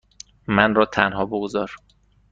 من را تنها بگذار.